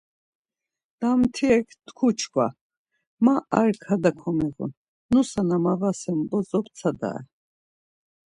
Damtirek tku çkva, Ma ar kada komiğun, nusa na mavasen bozo ptsadare.